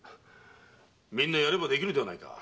みんなやればできるではないか。